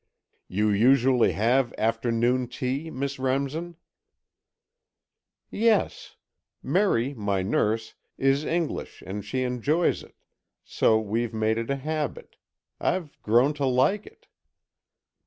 "You usually have afternoon tea, Miss Remsen?" "Yes. Merry, my nurse, is English and she enjoys it, so we've made it a habit. I've grown to like it."